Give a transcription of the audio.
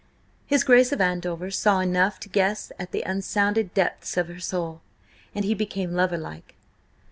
His Grace of Andover saw enough to guess at the unsounded depths in her soul, and he became lover like.